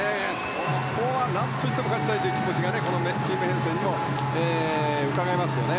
ここはなんとしても勝ちたいという気持ちがこのチーム編成にもうかがえますよね。